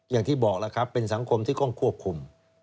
อย่างที่บอกแล้วครับเป็นสังคมที่ต้องควบคุม